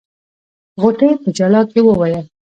غوټۍ په ژړا کې وويل.